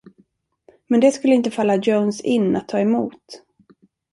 Men det skulle inte falla Jones in att ta emot.